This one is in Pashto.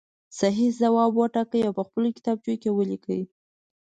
صحیح ځواب وټاکئ او په خپلو کتابچو کې یې ولیکئ.